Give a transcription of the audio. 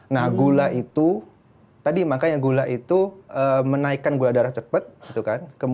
nah gula itu tadi makanya gula itu menaikkan laparnya gitu kan ya